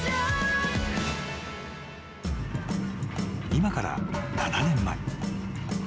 ［今から７年前］